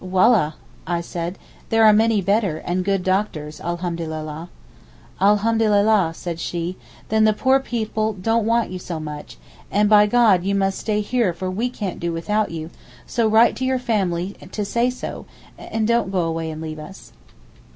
'Wallah,' said I, 'there are many better, and good doctors, Alhamdullillah!' 'Alhamdullillah,' said she, 'then the poor people don't want you so much, and by God you must stay here for we can't do without you, so write to your family to say so, and don't go away and leave us.